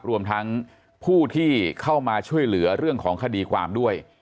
รวมทั้งผู้ที่เข้ามาช่วยเหลือเรื่องของคดีความด้วย